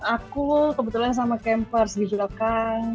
aku kebetulan sama kempers di jodohkang